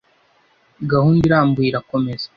gahunda irambuye irakomeza.